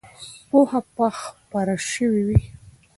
پوهه به خپره سوې وي.